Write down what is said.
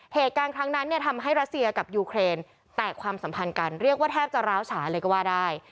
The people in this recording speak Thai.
เหตุการณ์ครั้งนั้นเนี่ยทำให้รัสเซียกับยูเครนแตกความสัมพันธ์กันเรียกว่าแทบจะร้าวฉาเลยก็ว่าได้